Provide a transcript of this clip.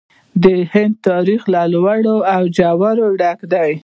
د هند تاریخ له لوړو او ژورو ډک دی.